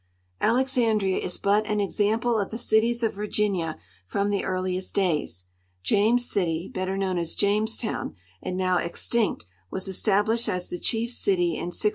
Alexandria is but an example of the cities of Virginia from the earliest days. James City, better knoAvn as JamestoAvn, and now extinct, was established as the chief city in 1639.